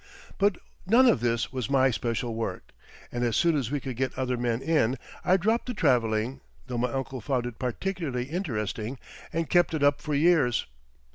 But none of this was my special work, and as soon as we could get other men in, I dropped the traveling, though my uncle found it particularly interesting and kept it up for years.